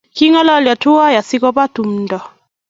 Kingalalyo tuwai asikoba tumdo